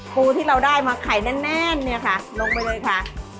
ปูที่เราได้มาไข่แน่นเนี่ยค่ะลงไปเลยค่ะ